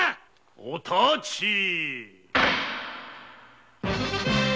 お発ちい。